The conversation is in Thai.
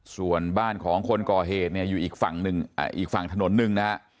ส่วนบ้านของคนก่อเหตุเนี่ยอยู่อีกฝั่งหนึ่ง